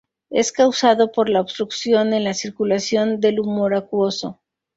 Es causado por la obstrucción en la circulación del humor acuoso.